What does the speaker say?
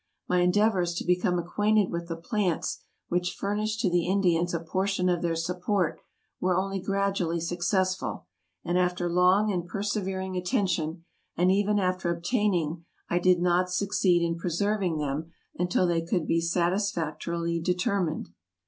My endeavors to become acquainted with the plants which furnish to the Indians a portion of their support were only gradually successful, and after long and persevering attention ; and even after obtaining I did not succeed in preserving them until they could be satisfac torily determined.